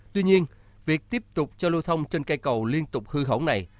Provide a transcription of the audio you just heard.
tuy nhiên việc tiếp tục cho lưu thông trên cây cầu liên tục hư hỏng này